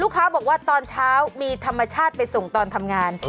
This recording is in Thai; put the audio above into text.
เขาบอกว่าตอนเช้ามีธรรมชาติไปส่งตอนทำงาน